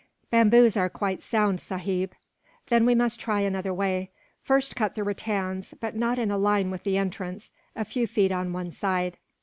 "Bamboos are quite sound, sahib." "Then we must try another way. First cut the rattans but not in a line with the entrance, a few feet on one side."